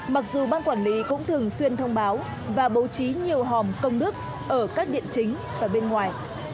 mặc dù ban quản lý cũng thường xuyên thông báo và bố trí nhiều hòm công đức ở các địa chính và bên ngoài